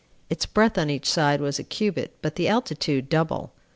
Its breadth on each side was a cubit, but the altitude double.